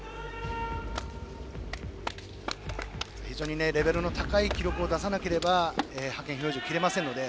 非常にレベルの高い記録を出さなければ派遣標準を切れませんので。